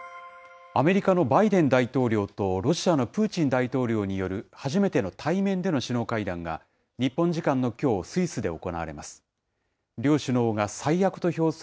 アメリカのバイデン大統領とロシアのプーチン大統領による初めての対面での首脳会談が、日本時間のきょう、スイスで行われます。